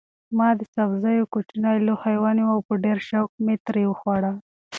ما د سبزیو کوچنی لوښی ونیو او په ډېر شوق مې ترې وخوړل.